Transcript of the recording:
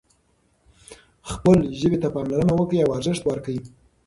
خپلې ژبې ته پاملرنه وکړئ او ارزښت ورکړئ.